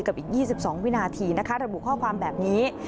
กับอีก๒๒วินาทีนะคะระบุข้อความแบบนี้